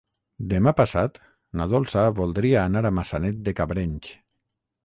Demà passat na Dolça voldria anar a Maçanet de Cabrenys.